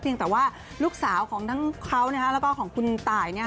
เพียงแต่ว่าลูกสาวของทั้งเขาและของคุณตาย